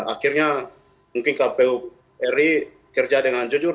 akhirnya mungkin kpu ri kerja dengan jujur